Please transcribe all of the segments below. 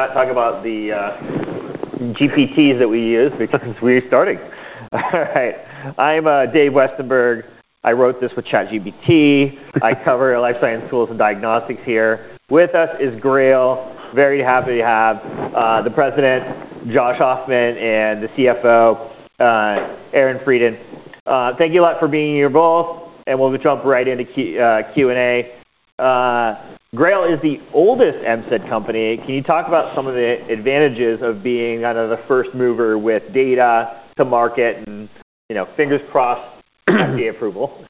And not talk about the GPTs that we use because we're starting. All right. I'm Dave Westenberg. I wrote this with ChatGPT. I cover life science tools and diagnostics here. With us is GRAIL. Very happy to have the President, Josh Ofman, and the CFO, Aaron Freidin. Thank you a lot for being here, both. We'll jump right into Q&A. Grail is the oldest MCED company. Can you talk about some of the advantages of being kind of the first mover with data to market and, you know, fingers crossed for the approval?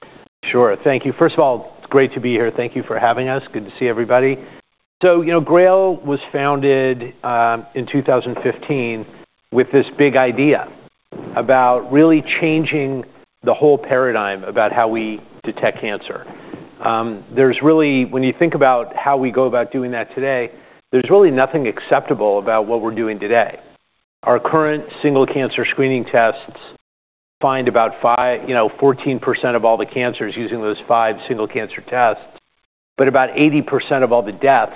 Sure. Thank you. First of all, it's great to be here. Thank you for having us. Good to see everybody. So, you know, GRAIL was founded in 2015 with this big idea about really changing the whole paradigm about how we detect cancer. There's really, when you think about how we go about doing that today, there's really nothing acceptable about what we're doing today. Our current single cancer screening tests find about five, you know, 14% of all the cancers using those five single cancer tests. But about 80% of all the deaths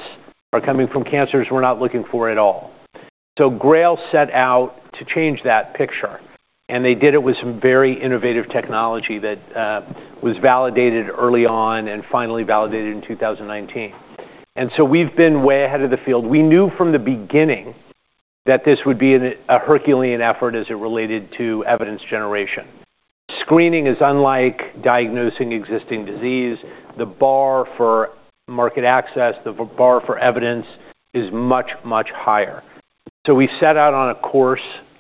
are coming from cancers we're not looking for at all. So GRAIL set out to change that picture. And they did it with some very innovative technology that was validated early on and finally validated in 2019. And so we've been way ahead of the field. We knew from the beginning that this would be a Herculean effort as it related to evidence generation. Screening is unlike diagnosing existing disease. The bar for market access, the bar for evidence is much, much higher. So we set out on a course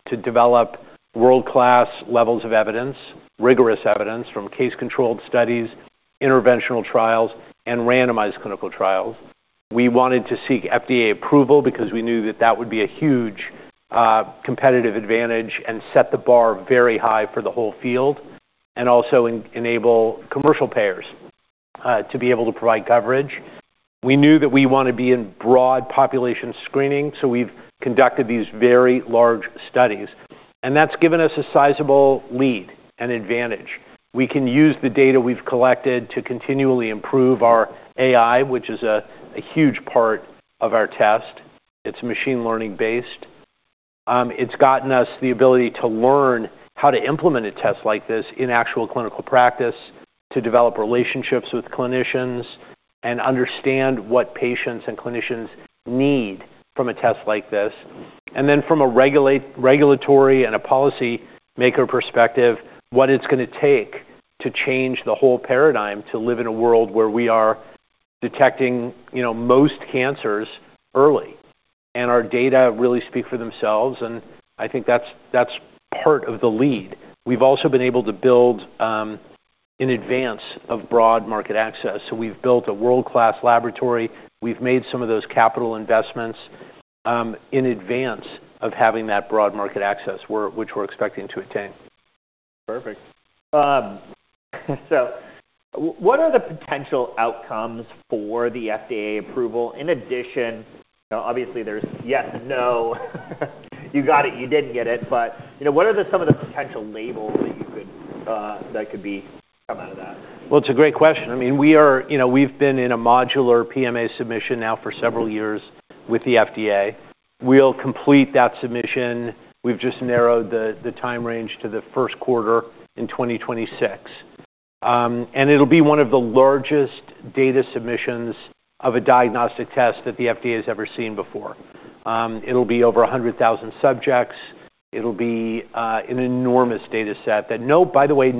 to develop world-class levels of evidence, rigorous evidence from case-controlled studies, interventional trials, and randomized clinical trials. We wanted to seek FDA approval because we knew that that would be a huge, competitive advantage and set the bar very high for the whole field and also enable commercial payers to be able to provide coverage. We knew that we want to be in broad population screening. So we've conducted these very large studies. And that's given us a sizable lead and advantage. We can use the data we've collected to continually improve our AI, which is a huge part of our test. It's machine learning-based. It's gotten us the ability to learn how to implement a test like this in actual clinical practice, to develop relationships with clinicians, and understand what patients and clinicians need from a test like this, and then from a regulatory and a policymaker perspective, what it's gonna take to change the whole paradigm to live in a world where we are detecting, you know, most cancers early, and our data really speak for themselves, and I think that's part of the lead. We've also been able to build, in advance of broad market access, so we've built a world-class laboratory. We've made some of those capital investments, in advance of having that broad market access, which we're expecting to attain. Perfect. What are the potential outcomes for the FDA approval? In addition, you know, obviously there's yes and no. You got it. You didn't get it. But, you know, what are some of the potential labels that could come out of that? It's a great question. I mean, we are, you know, we've been in a modular PMA submission now for several years with the FDA. We'll complete that submission. We've just narrowed the time range to the first quarter in 2026. And it'll be one of the largest data submissions of a diagnostic test that the FDA has ever seen before. It'll be over 100,000 subjects. It'll be an enormous data set that, by the way,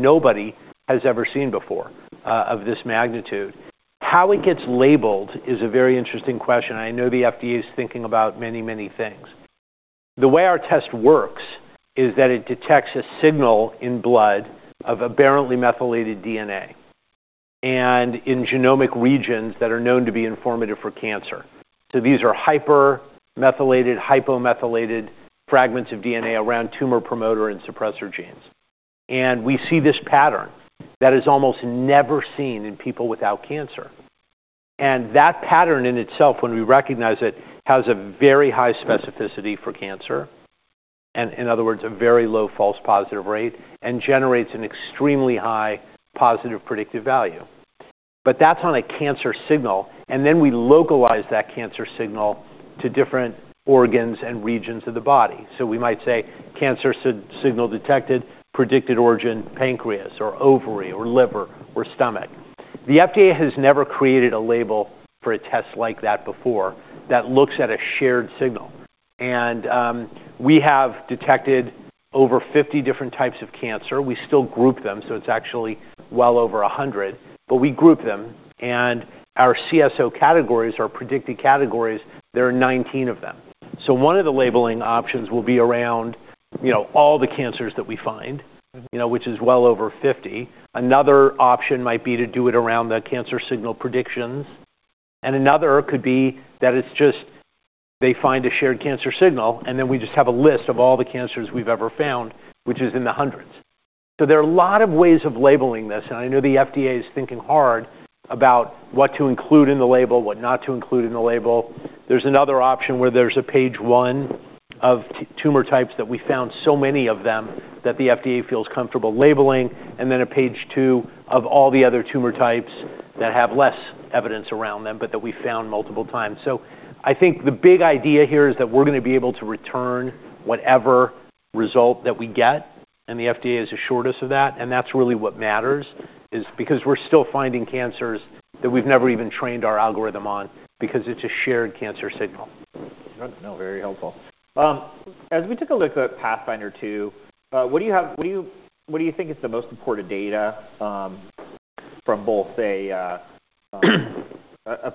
nobody has ever seen before, of this magnitude. How it gets labeled is a very interesting question. I know the FDA's thinking about many, many things. The way our test works is that it detects a signal in blood of apparently methylated DNA and in genomic regions that are known to be informative for cancer. So these are hypermethylated, hypomethylated fragments of DNA around tumor promoter and suppressor genes. We see this pattern that is almost never seen in people without cancer. That pattern in itself, when we recognize it, has a very high specificity for cancer, and in other words, a very low false positive rate, and generates an extremely high positive predictive value. That's on a cancer signal. Then we localize that cancer signal to different organs and regions of the body. So we might say cancer signal detected, predicted origin, pancreas or ovary or liver or stomach. The FDA has never created a label for a test like that before that looks at a shared signal. We have detected over 50 different types of cancer. We still group them, so it's actually well over 100. We group them. Our CSO categories are predicted categories. There are 19 of them. So one of the labeling options will be around, you know, all the cancers that we find, you know, which is well over 50. Another option might be to do it around the cancer signal predictions. And another could be that it's just they find a shared cancer signal, and then we just have a list of all the cancers we've ever found, which is in the hundreds. So there are a lot of ways of labeling this. And I know the FDA is thinking hard about what to include in the label, what not to include in the label. There's another option where there's a page one of tumor types that we found so many of them that the FDA feels comfortable labeling, and then a page two of all the other tumor types that have less evidence around them but that we found multiple times. So, I think the big idea here is that we're gonna be able to return whatever result that we get. And the FDA has assured us of that. And that's really what matters, because we're still finding cancers that we've never even trained our algorithm on, because it's a shared cancer signal. No, very helpful. As we took a look at PATHFINDER 2, what do you think is the most important data, from both a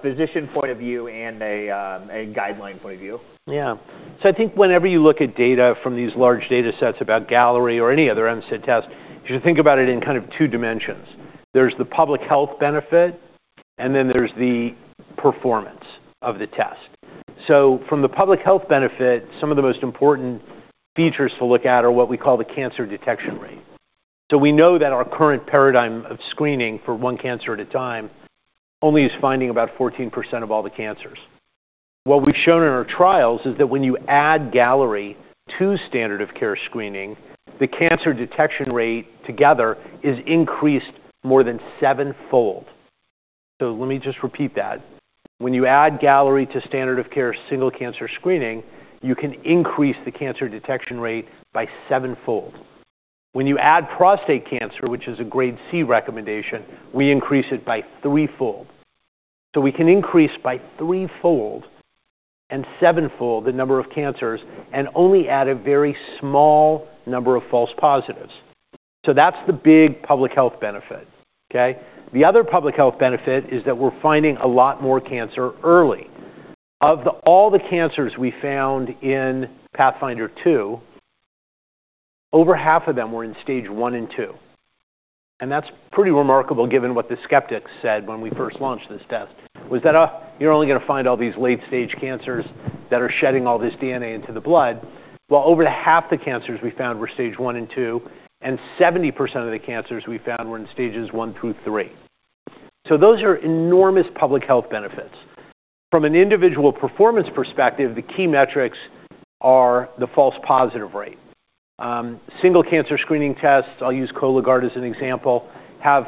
physician point of view and a guideline point of view? Yeah. So I think whenever you look at data from these large data sets about Galleri or any other MCED test, you should think about it in kind of two dimensions. There's the public health benefit, and then there's the performance of the test. So from the public health benefit, some of the most important features to look at are what we call the cancer detection rate. So we know that our current paradigm of screening for one cancer at a time only is finding about 14% of all the cancers. What we've shown in our trials is that when you add Galleri to standard of care screening, the cancer detection rate together is increased more than sevenfold. So let me just repeat that. When you add Galleri to standard of care single cancer screening, you can increase the cancer detection rate by sevenfold. When you add prostate cancer, which is a Grade C recommendation, we increase it by threefold. So we can increase by threefold and sevenfold the number of cancers and only add a very small number of false positives. So that's the big public health benefit, okay? The other public health benefit is that we're finding a lot more cancer early. Of all the cancers we found in PATHFINDER 2, over half of them were in stage one and two. And that's pretty remarkable given what the skeptics said when we first launched this test. Was that, you're only gonna find all these late-stage cancers that are shedding all this DNA into the blood? Well, over half the cancers we found were stage one and two, and 70% of the cancers we found were in stages one through three. So those are enormous public health benefits. From an individual performance perspective, the key metrics are the false positive rate. Single cancer screening tests, I'll use Cologuard as an example, have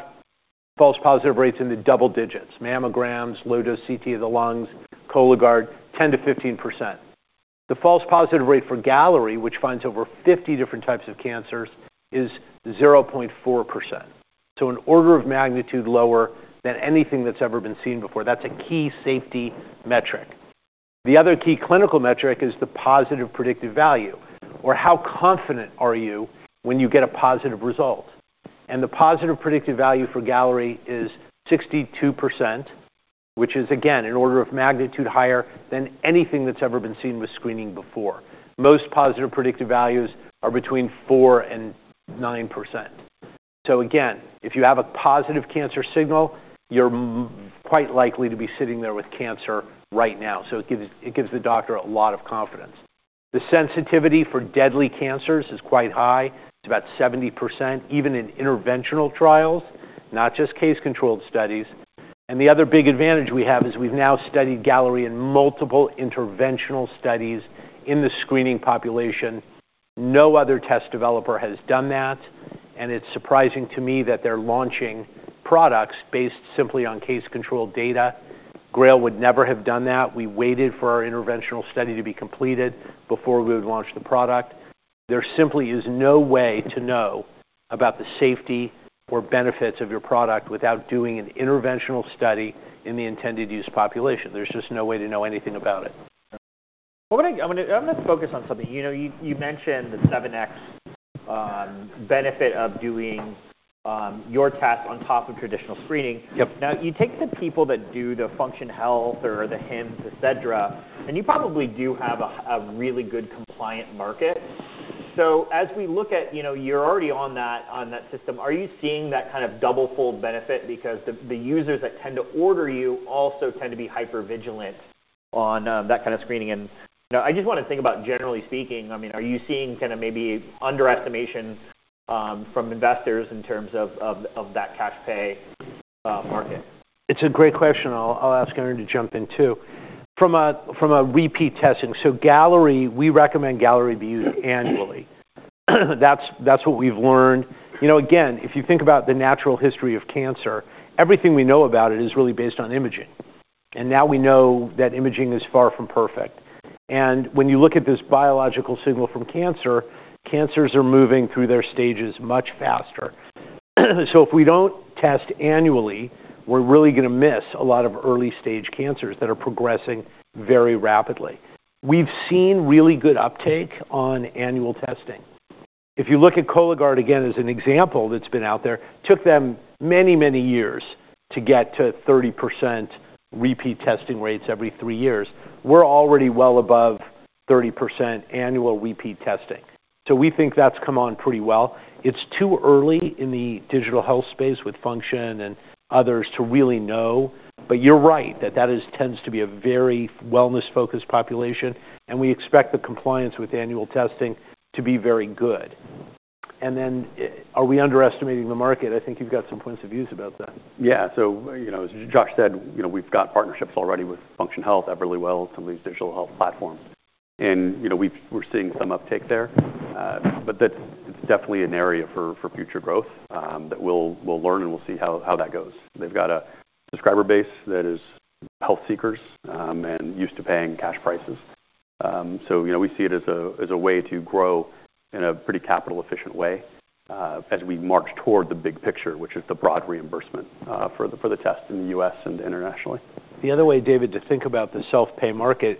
false positive rates in the double digits. Mammograms, low-dose CT of the lungs, Cologuard, 10%-15%. The false positive rate for Galleri, which finds over 50 different types of cancers, is 0.4%. So an order of magnitude lower than anything that's ever been seen before. That's a key safety metric. The other key clinical metric is the positive predictive value, or how confident are you when you get a positive result. And the positive predictive value for Galleri is 62%, which is, again, an order of magnitude higher than anything that's ever been seen with screening before. Most positive predictive values are between 4% and 9%. Again, if you have a positive cancer signal, you're most likely to be sitting there with cancer right now. So it gives the doctor a lot of confidence. The sensitivity for deadly cancers is quite high. It's about 70%, even in interventional trials, not just case-control studies. And the other big advantage we have is we've now studied Galleri in multiple interventional studies in the screening population. No other test developer has done that. And it's surprising to me that they're launching products based simply on case-control data. GRAIL would never have done that. We waited for our interventional study to be completed before we would launch the product. There simply is no way to know about the safety or benefits of your product without doing an interventional study in the intended-use population. There's just no way to know anything about it. What I'm gonna focus on something. You know, you mentioned the 7X benefit of doing your test on top of traditional screening. Yep. Now, you take the people that do the Function Health or the HIMS, etc., and you probably do have a really good compliant market. So as we look at, you know, you're already on that on that system. Are you seeing that kind of double-fold benefit? Because the, the users that tend to order you also tend to be hypervigilant on, that kind of screening. And, you know, I just wanna think about, generally speaking, I mean, are you seeing kind of maybe underestimation, from investors in terms of that cash pay market? It's a great question. I'll ask Aaron to jump in too. From a repeat testing, so Galleri, we recommend Galleri be used annually. That's what we've learned. You know, again, if you think about the natural history of cancer, everything we know about it is really based on imaging. And now we know that imaging is far from perfect. And when you look at this biological signal from cancer, cancers are moving through their stages much faster. So if we don't test annually, we're really gonna miss a lot of early-stage cancers that are progressing very rapidly. We've seen really good uptake on annual testing. If you look at Cologuard again as an example that's been out there, it took them many, many years to get to 30% repeat testing rates every three years. We're already well above 30% annual repeat testing. So we think that's come on pretty well. It's too early in the digital health space with Function and others to really know. But you're right that it tends to be a very wellness-focused population. And we expect the compliance with annual testing to be very good. And then, are we underestimating the market? I think you've got some points of view about that. Yeah. So, you know, as Josh said, you know, we've got partnerships already with Function Health, Everlywell, some of these digital health platforms. And, you know, we're seeing some uptake there. But that's definitely an area for future growth, that we'll learn and we'll see how that goes. They've got a subscriber base that is health seekers, and used to paying cash prices. So, you know, we see it as a way to grow in a pretty capital-efficient way, as we march toward the big picture, which is the broad reimbursement for the test in the U.S. and internationally. The other way, David, to think about the self-pay market,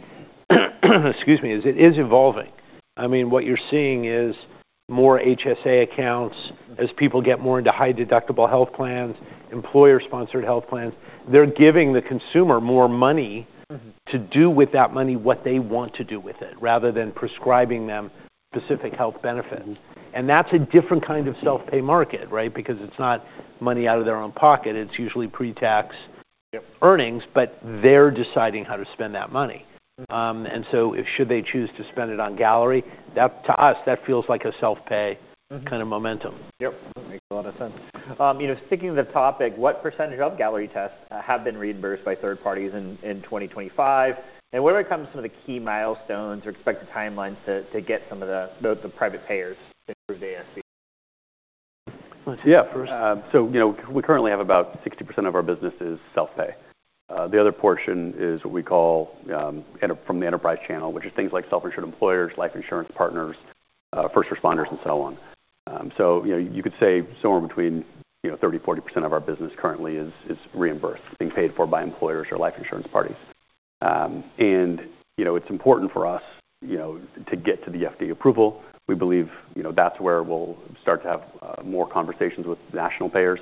excuse me, is, it is evolving. I mean, what you're seeing is more HSA accounts as people get more into high-deductible health plans, employer-sponsored health plans. They're giving the consumer more money. Mm-hmm. To do with that money what they want to do with it rather than prescribing them specific health benefits. And that's a different kind of self-pay market, right? Because it's not money out of their own pocket. It's usually pre-tax. Yep. Earnings, but they're deciding how to spend that money. And so if they should choose to spend it on Galleri, that to us, that feels like a self-pay. Mm-hmm. Kind of momentum. Yep. That makes a lot of sense. You know, sticking to the topic, what percentage of Galleri tests have been reimbursed by third parties in 2025? And where do we come to some of the key milestones or expected timelines to get some of the private payers to improve ASP? Let's see. Yeah. First, so, you know, we currently have about 60% of our business is self-pay. The other portion is what we call enterprise from the enterprise channel, which is things like self-insured employers, life insurance partners, first responders, and so on. So, you know, you could say somewhere between, you know, 30%-40% of our business currently is reimbursed, being paid for by employers or life insurance partners. And, you know, it's important for us, you know, to get to the FDA approval. We believe, you know, that's where we'll start to have more conversations with national payers.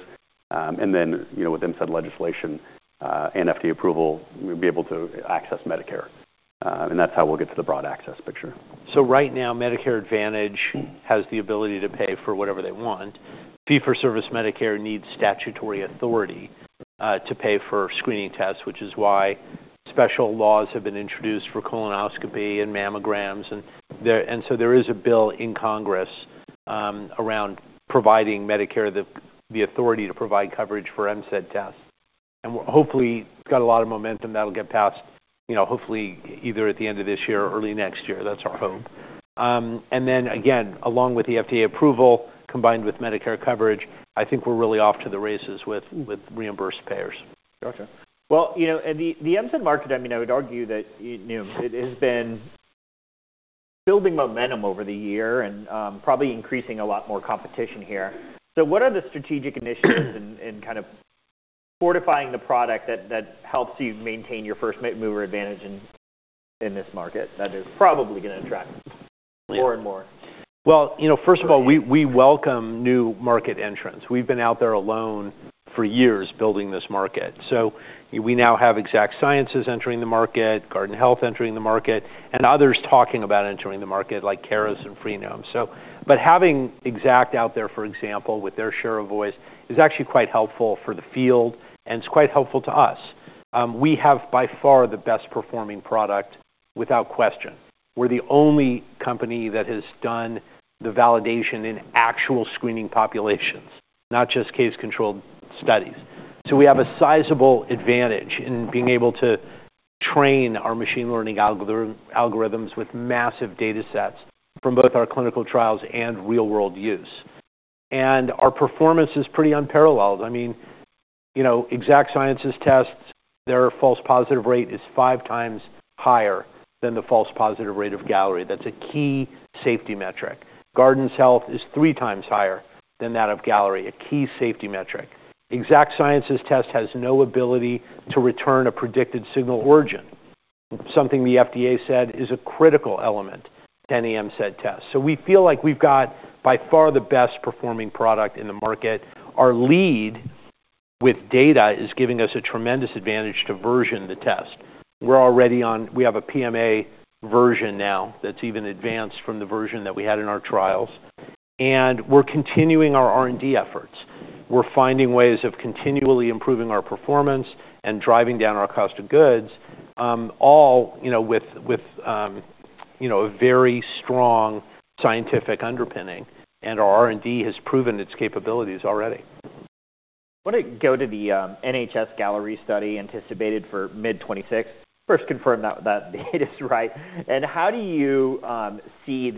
And then, you know, with MCED legislation and FDA approval, we'll be able to access Medicare. And that's how we'll get to the broad access picture. So right now, Medicare Advantage has the ability to pay for whatever they want. Fee-for-service Medicare needs statutory authority to pay for screening tests, which is why special laws have been introduced for colonoscopy and mammograms. And so there is a bill in Congress around providing Medicare the authority to provide coverage for MCED tests. And we're hopefully got a lot of momentum that'll get passed, you know, hopefully either at the end of this year or early next year. That's our hope. And then again, along with the FDA approval combined with Medicare coverage, I think we're really off to the races with reimbursed payers. Gotcha. Well, you know, and the, the MCED market, I mean, I would argue that you know it has been building momentum over the year and, probably increasing a lot more competition here. So what are the strategic initiatives in, in kind of fortifying the product that, that helps you maintain your first mover advantage in, in this market that is probably gonna attract more and more? You know, first of all, we welcome new market entrants. We've been out there alone for years building this market. So we now have Exact Sciences entering the market, Guardant Health entering the market, and others talking about entering the market like Caris and Freenome. So but having Exact out there, for example, with their share of voice is actually quite helpful for the field, and it's quite helpful to us. We have by far the best-performing product without question. We're the only company that has done the validation in actual screening populations, not just case-controlled studies. So we have a sizable advantage in being able to train our machine learning algorithms with massive data sets from both our clinical trials and real-world use. And our performance is pretty unparalleled. I mean, you know, Exact Sciences tests, their false positive rate is five times higher than the false positive rate of Galleri. That's a key safety metric. Guardant Health is three times higher than that of Galleri, a key safety metric. Exact Sciences test has no ability to return a predicted signal origin. Something the FDA said is a critical element to any MCED test. So we feel like we've got by far the best-performing product in the market. Our lead with data is giving us a tremendous advantage to version the test. We're already on we have a PMA version now that's even advanced from the version that we had in our trials. And we're continuing our R&D efforts. We're finding ways of continually improving our performance and driving down our cost of goods, all, you know, with a very strong scientific underpinning. Our R&D has proven its capabilities already. Wanna go to the NHS-Galleri study anticipated for mid-2026. First, confirm that date is right. And how do you see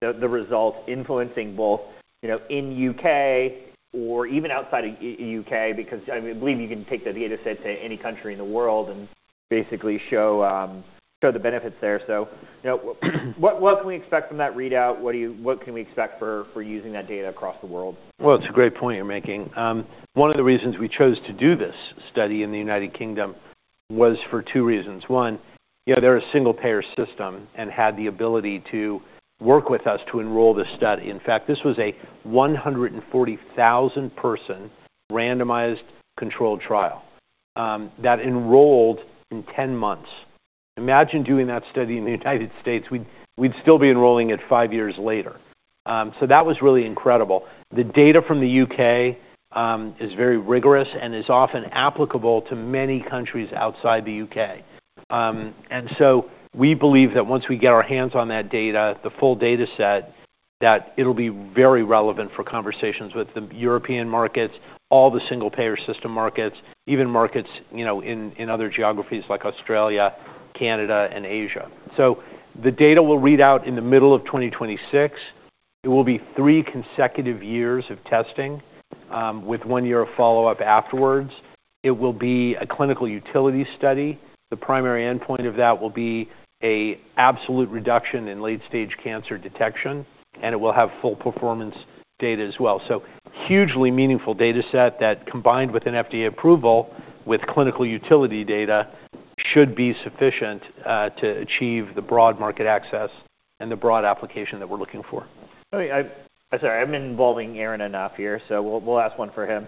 the result influencing both, you know, in U.K. or even outside of U.K.? Because, I mean, I believe you can take the data set to any country in the world and basically show the benefits there. So, you know, what can we expect from that readout? What can we expect for using that data across the world? It's a great point you're making. One of the reasons we chose to do this study in the United Kingdom was for two reasons. One, you know, they're a single-payer system and had the ability to work with us to enroll the study. In fact, this was a 140,000-person randomized controlled trial that enrolled in 10 months. Imagine doing that study in the United States. We'd still be enrolling it five years later. That was really incredible. The data from the UK is very rigorous and is often applicable to many countries outside the UK. We believe that once we get our hands on that data, the full data set, that'll be very relevant for conversations with the European markets, all the single-payer system markets, even markets, you know, in other geographies like Australia, Canada, and Asia. So the data will read out in the middle of 2026. It will be three consecutive years of testing, with one year of follow-up afterwards. It will be a clinical utility study. The primary endpoint of that will be an absolute reduction in late-stage cancer detection, and it will have full performance data as well. So hugely meaningful data set that, combined with an FDA approval, with clinical utility data, should be sufficient, to achieve the broad market access and the broad application that we're looking for. I mean, I'm sorry. I'm involving Aaron enough here, so we'll ask one for him.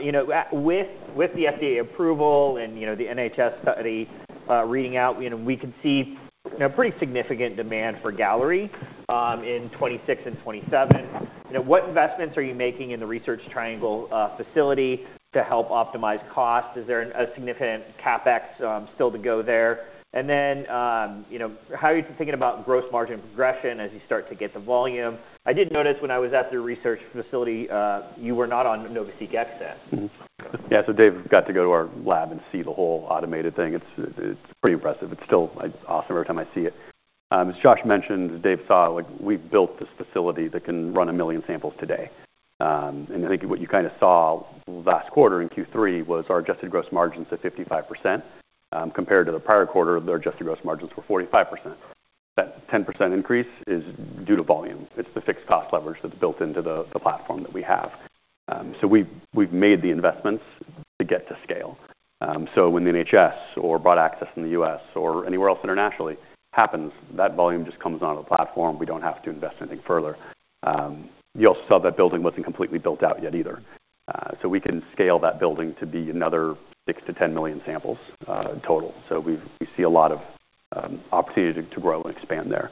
You know, with the FDA approval and, you know, the NHS study reading out, you know, we could see, you know, pretty significant demand for Galleri in 2026 and 2027. You know, what investments are you making in the Research Triangle facility to help optimize cost? Is there a significant CapEx still to go there? And then, you know, how are you thinking about gross margin progression as you start to get the volume? I did notice when I was at the research facility, you were not on NovaSeq X yet. Mm-hmm. Yeah. So Dave got to go to our lab and see the whole automated thing. It's pretty impressive. It's still awesome every time I see it. As Josh mentioned, Dave saw, like, we've built this facility that can run a million samples today. And I think what you kind of saw last quarter in Q3 was our adjusted gross margins at 55%. Compared to the prior quarter, our adjusted gross margins were 45%. That 10% increase is due to volume. It's the fixed cost leverage that's built into the platform that we have. So we've made the investments to get to scale. So when the NHS or broad access in the U.S. or anywhere else internationally happens, that volume just comes onto the platform. We don't have to invest anything further. You also saw that building wasn't completely built out yet either. So we can scale that building to be another 6 million-10 million samples, total. So we see a lot of opportunity to grow and expand there.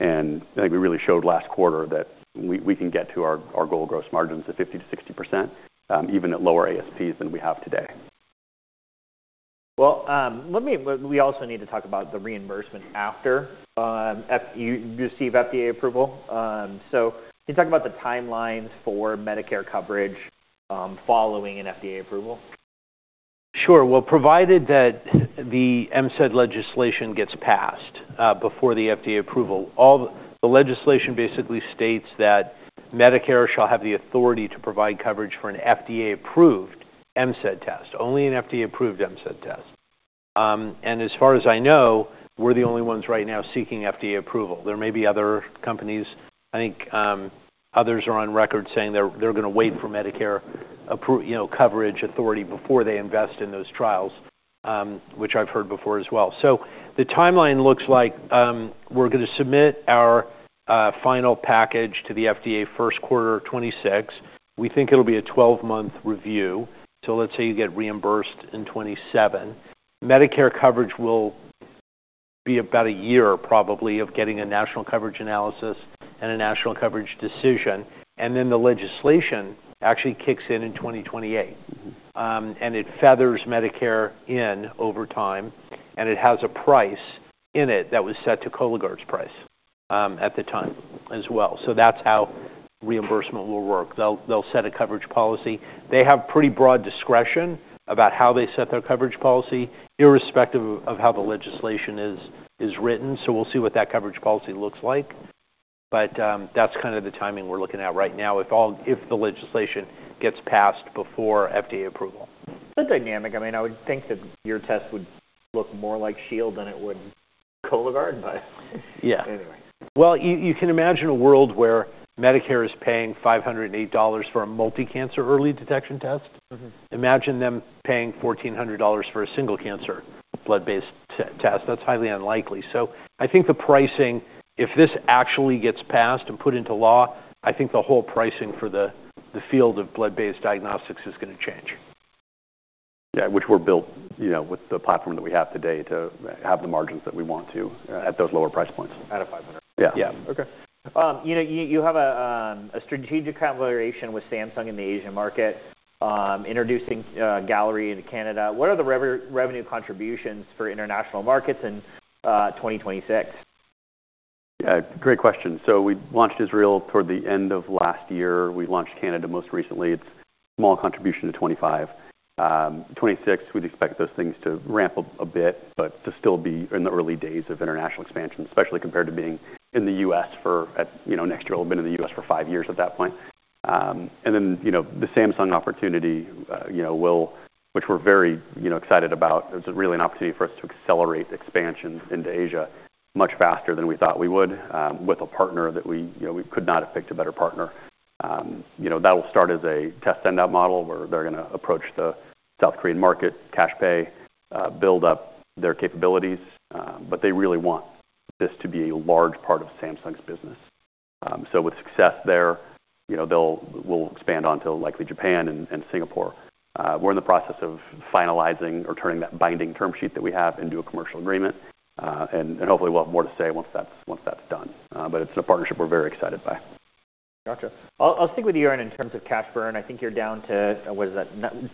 And I think we really showed last quarter that we can get to our goal gross margins of 50%-60%, even at lower ASPs than we have today. Let me. We also need to talk about the reimbursement after you receive FDA approval. So can you talk about the timelines for Medicare coverage following an FDA approval? Sure. Well, provided that the MCED legislation gets passed, before the FDA approval, all the legislation basically states that Medicare shall have the authority to provide coverage for an FDA-approved MCED test, only an FDA-approved MCED test, and as far as I know, we're the only ones right now seeking FDA approval. There may be other companies. I think, others are on record saying they're gonna wait for Medicare approve, you know, coverage authority before they invest in those trials, which I've heard before as well. So the timeline looks like, we're gonna submit our final package to the FDA first quarter of 2026. We think it'll be a 12-month review. So let's say you get reimbursed in 2027. Medicare coverage will be about a year probably of getting a national coverage analysis and a national coverage decision. And then the legislation actually kicks in in 2028. Mm-hmm. It phases Medicare in over time, and it has a price in it that was set to Cologuard's price at the time as well. So that's how reimbursement will work. They'll set a coverage policy. They have pretty broad discretion about how they set their coverage policy, irrespective of how the legislation is written. So we'll see what that coverage policy looks like. But that's kind of the timing we're looking at right now if all the legislation gets passed before FDA approval. The dynamic, I mean, I would think that your test would look more like SHIELD than it would Cologuard, but. Yeah. Anyway. You can imagine a world where Medicare is paying $508 for a multi-cancer early detection test. Mm-hmm. Imagine them paying $1,400 for a single cancer blood-based test. That's highly unlikely. So I think the pricing, if this actually gets passed and put into law, I think the whole pricing for the field of blood-based diagnostics is gonna change. Yeah. Which we're built, you know, with the platform that we have today to have the margins that we want to, at those lower price points. At a $500. Yeah. Yeah. Okay. You know, you have a strategic collaboration with Samsung in the Asian market, introducing Galleri in Canada. What are the revenue contributions for international markets in 2026? Yeah. Great question. So we launched in Israel toward the end of last year. We launched in Canada most recently. It's a small contribution to 2025. 2026, we'd expect those things to ramp up a bit, but to still be in the early days of international expansion, especially compared to being in the U.S. for, at, you know, next year, we'll have been in the U.S. for five years at that point. And then, you know, the Samsung opportunity, you know, will, which we're very, you know, excited about. It's really an opportunity for us to accelerate expansion into Asia much faster than we thought we would, with a partner that we, you know, we could not have picked a better partner. You know, that'll start as a test send-out model where they're gonna approach the South Korean market, cash pay, build up their capabilities. but they really want this to be a large part of Samsung's business, so with success there, you know, they'll, we'll expand onto likely Japan and Singapore. We're in the process of finalizing or turning that binding term sheet that we have into a commercial agreement, and hopefully we'll have more to say once that's done, but it's a partnership we're very excited by. Gotcha. I'll stick with the run rate in terms of cash burn. I think you're down to, what is that,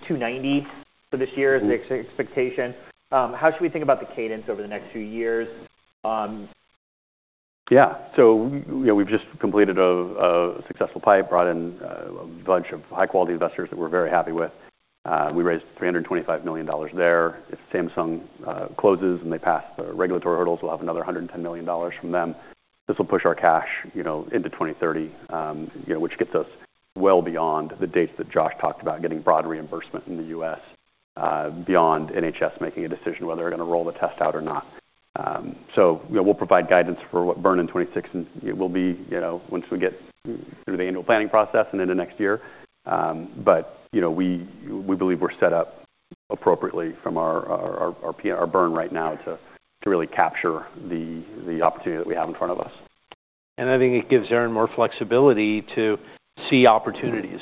$290 million for this year is the expectation. How should we think about the cadence over the next few years? Yeah. So, you know, we've just completed a successful PIPE, brought in a bunch of high-quality investors that we're very happy with. We raised $325 million there. If Samsung closes and they pass the regulatory hurdles, we'll have another $110 million from them. This will push our cash, you know, into 2030, you know, which gets us well beyond the dates that Josh talked about getting broad reimbursement in the U.S., beyond NHS making a decision whether they're gonna roll the test out or not. So, you know, we'll provide guidance for what burn in 2026, and it will be, you know, once we get through the annual planning process and into next year. But, you know, we believe we're set up appropriately from our burn right now to really capture the opportunity that we have in front of us. I think it gives Aaron more flexibility to see opportunities.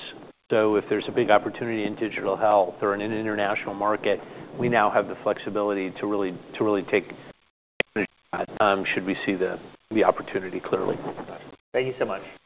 If there's a big opportunity in digital health or in an international market, we now have the flexibility to really take advantage of that, should we see the opportunity clearly. Thank you so much. Thank you.